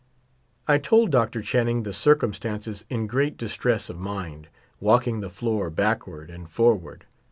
I told Dr. Channing the circumstances in great distress of mind, walking the floor backward and forward.